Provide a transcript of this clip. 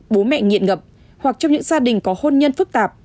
bố mẹ ngập hoặc trong những gia đình có hôn nhân phức tạp